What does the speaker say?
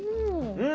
うん。